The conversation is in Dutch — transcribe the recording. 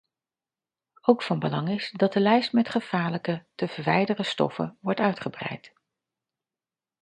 Ook van belang is dat de lijst met gevaarlijke, te verwijderen, stoffen wordt uitgebreid.